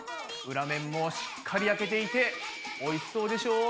裏面もしっかり焼けていておいしそうでしょう？